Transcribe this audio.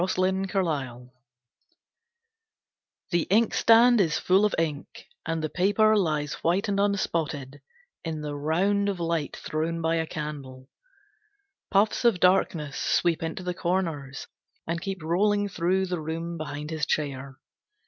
The Basket I The inkstand is full of ink, and the paper lies white and unspotted, in the round of light thrown by a candle. Puffs of darkness sweep into the corners, and keep rolling through the room behind his chair.